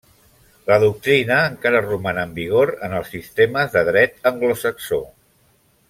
La doctrina encara roman en vigor en els sistemes de dret anglosaxó.